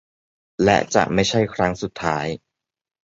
และจะไม่ใช่ครั้งสุดท้าย